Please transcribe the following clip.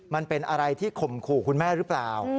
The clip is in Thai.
มันเป็นอะไรที่ข่มขู่คุณแม่หรือเปล่า